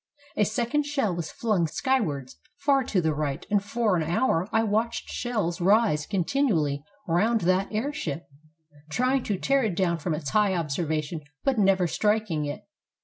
A second shell was flung skywards, far to the right; and for an hour I watched shells rise continually round that air ship, trying to tear it down from its high observation, but never striking it.